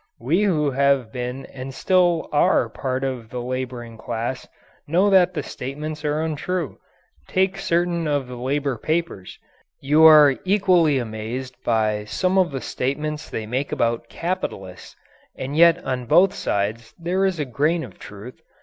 We who have been and still are a part of the labouring class know that the statements are untrue. Take certain of the labour papers. You are equally amazed by some of the statements they make about "capitalists." And yet on both sides there is a grain of truth.